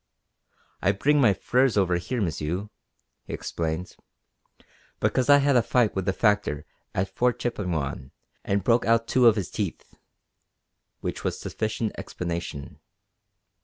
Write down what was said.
"I bring my furs over here, m'sieu," he explained, "because I had a fight with the factor at Fort Chippewyan and broke out two of his teeth," which was sufficient explanation.